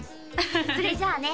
それじゃあね